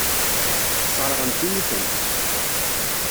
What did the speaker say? Sseṛɣent-iyi-tent.